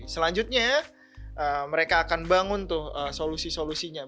selanjutnya mereka akan bangun tuh solusi solusinya